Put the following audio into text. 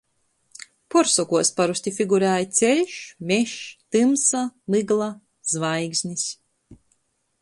Puorsokuos parosti figurēja ceļš, mežs, tymsa, mygla, zvaigznis.